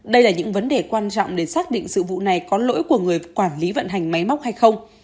đây là những vấn đề quan trọng để xác định sự vụ này có lỗi của người quản lý vận hành máy móc hay không